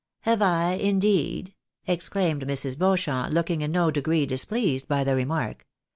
" Have I, indeed !" exclaimed Mrs. Beauchamp, looking in no degree displeased by the remark.